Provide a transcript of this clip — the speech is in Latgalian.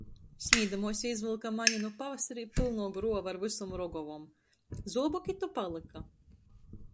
Smīdamuos jei izvylka mani nu pavasarī pylnuo gruova ar vysom rogovom, zuoboki to palyka.